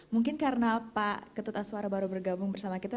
mungkin karena pak ketut aswara baru bergabung bersama kita